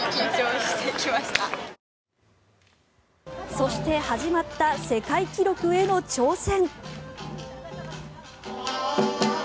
そして、始まった世界記録への挑戦。